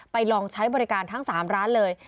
ลองใช้บริการทั้ง๓ร้านเลย